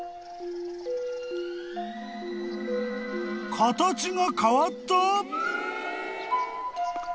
［形が変わった！？］